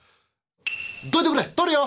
「どいてくれ通るよ！